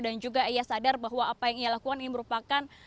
dan juga ia sadar bahwa apa yang ia lakukan ini merupakan